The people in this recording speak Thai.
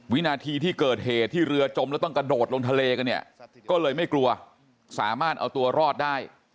วินาทีที่เกิดเหตุที่เรือจมแล้วต้องกระโดดลงทะเลกันเนี่ยก็เลยไม่กลัวสามารถเอาตัวรอดได้